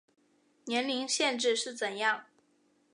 年龄限制是怎样